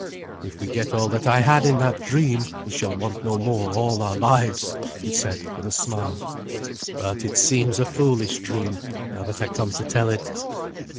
"If we get all that I had in that dream, we shall want no more all our lives," he said, with a smile; "but it seems a foolish dream, now that I come to tell it."